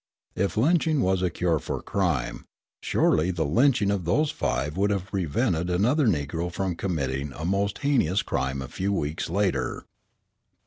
If lynching was a cure for crime, surely the lynching of those five would have prevented another Negro from committing a most heinous crime a few weeks later.